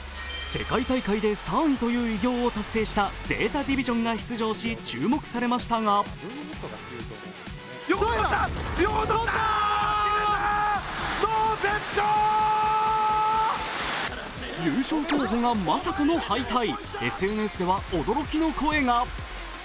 世界大会で３位という偉業を達成したゼータディビジョンが出場し注目されましたが優勝候補がまさかの敗退、ＳＮＳでは驚きの声が。